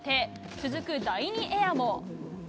続く第２エアも。